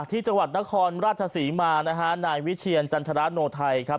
ที่จังหวัดนครราชศรีมานะฮะนายวิเชียรจันทราโนไทยครับ